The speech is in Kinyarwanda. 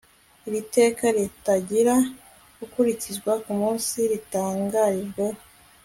iri teka ritangira gukurikizwa ku munsi ritangarijweho